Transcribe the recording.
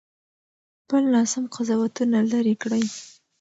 خپل ناسم قضاوتونه لرې کړئ.